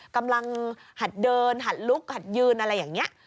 หัดเดินหัดลุกหัดยืนอะไรอย่างนี้